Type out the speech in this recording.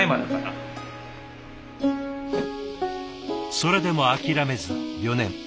それでも諦めず４年。